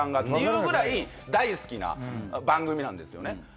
ってぐらい大好きな番組なんですよね。